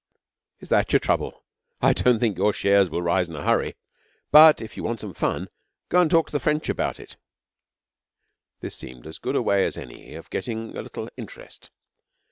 'Is that your trouble? I don't think your shares will rise in a hurry; but if you want some fun, go and talk to the French about it,' This seemed as good a way as any of getting a little interest.